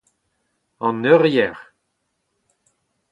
an eurier